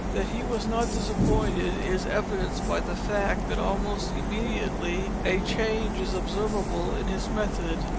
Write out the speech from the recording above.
That he was not disappointed is evidenced by the fact that almost immediately a change is observable in his method.